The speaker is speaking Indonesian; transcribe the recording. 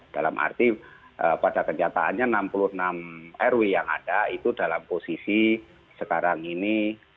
dalam arti pada kenyataannya enam puluh enam rw yang ada itu dalam posisi sekarang ini